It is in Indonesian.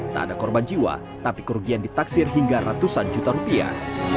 tak ada korban jiwa tapi kerugian ditaksir hingga ratusan juta rupiah